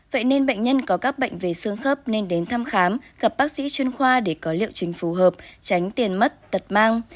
vậy nên bệnh nhân có các bệnh về xương khớp nên đến thăm khám gặp bác sĩ chuyên khoa để có liệu trình phù hợp tránh tiền mất tật mang